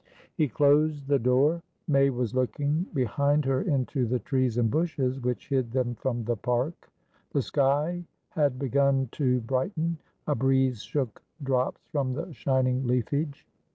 He closed the door. May was looking behind her into the trees and bushes, which hid them from the park The sky had begun to brighten; a breeze shook drops from the shining leafage.